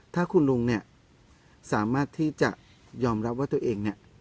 ถ้าคุณลุงเนี่ยสามารถที่จะยอมรับว่าตัวเองเนี่ย